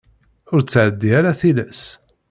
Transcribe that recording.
Ur ttɛeddi ara tilas.